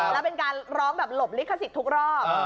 แล้วเป็นการร้องแบบหลบลิขสิทธิ์ทุกรอบ